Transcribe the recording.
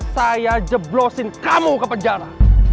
saya jeblosin kamu ke penjara